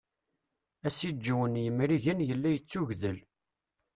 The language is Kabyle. Asiǧǧew n yimrigen yella yettugdel.